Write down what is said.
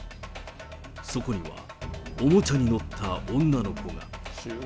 そこには、おもちゃに乗った女の子が。